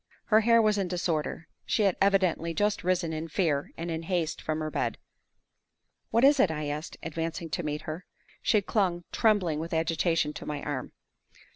Her hair was in disorder; she had evidently just risen in fear and in haste from her bed. "What is it?" I asked, advancing to meet her. She clung, trembling with agitation, to my arm.